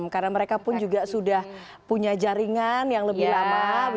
karena mereka pun juga sudah punya jaringan yang lebih lama